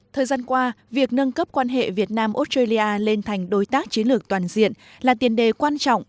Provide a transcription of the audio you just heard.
thời gian qua việc nâng cấp quan hệ việt nam australia lên thành đối tác chiến lược toàn diện là tiền đề quan trọng